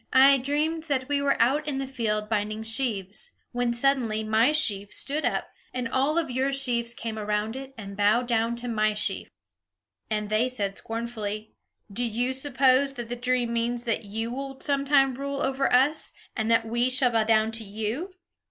I dreamed that we were out in the field binding sheaves, when suddenly my sheaf stood up, and all your sheaves came around it and bowed down to my sheaf!" And they said scornfully, "Do you suppose that the dream means that you will some time rule over us, and that we shall bow down to you?"